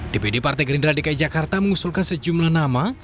dpd partai gerindra dki jakarta mengusulkan sejumlah nama